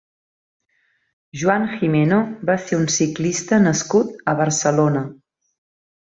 Joan Gimeno va ser un ciclista nascut a Barcelona.